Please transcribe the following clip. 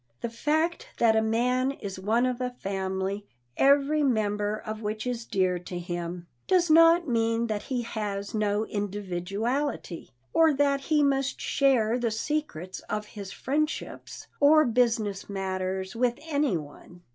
The fact that a man is one of a family, every member of which is dear to him, does not mean that he has no individuality, or that he must share the secrets of his friendships or business matters with any one.